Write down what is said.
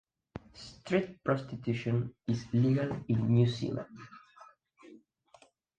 Street prostitution is legal in New Zealand.